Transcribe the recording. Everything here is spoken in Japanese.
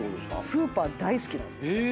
スーパー大好きなんですよ。